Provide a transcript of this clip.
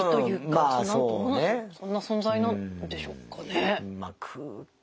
そんな存在なんでしょうかね。